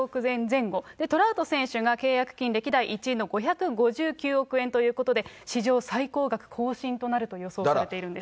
最終的には８００億円前後、トラウト選手が契約金歴代１位の５５９億円ということで、史上最高額更新となると予想されているんです。